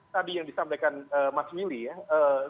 tadi yang disampaikan mas arief